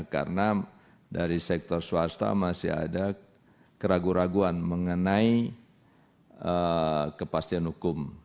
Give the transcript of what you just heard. karena dari sektor swasta masih ada keraguan keraguan mengenai kepastian hukum